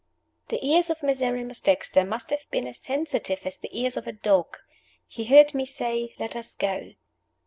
The ears of Miserrimus Dexter must have been as sensitive as the ears of a dog. He heard me say, "Let us go."